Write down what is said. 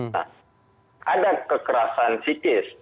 nah ada kekerasan psikis